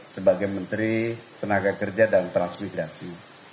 sebagai menteri tenaga kerja dan transmigrasi